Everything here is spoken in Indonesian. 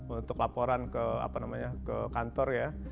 untuk laporan ke apa namanya ke kantor ya